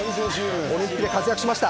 オリンピックで活躍しました。